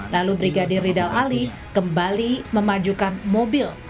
lalu brigadir ridal ali kembali memajukan mobil